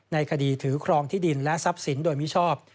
ในคดีถือครองที่ดินและทรัพย์สินโดยมิชอบ